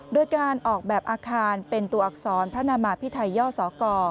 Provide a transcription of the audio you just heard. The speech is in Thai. โดยการออกแบบอาคารเป็นตัวอักษรพระนามาพิไทยย่อสก